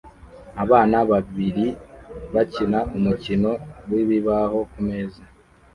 Abana babiri bakina umukino wibibaho kumeza